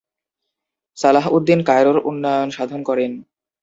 সালাহউদ্দিন কায়রোর উন্নয়ন সাধন করেন।